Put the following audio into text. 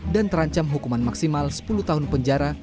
dan terancam hukuman maksimal sepuluh tahun penjara